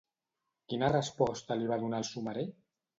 Quina resposta li va donar el somerer?